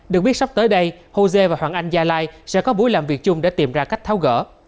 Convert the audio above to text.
được biết sắp tới đây hosea và hoàng anh gia lai sẽ có buổi làm việc chung để tìm ra cách tháo gỡ